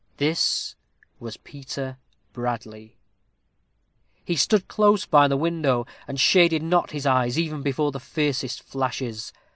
This was Peter Bradley. He stood close by the window, and shaded not his eyes, even before the fiercest flashes.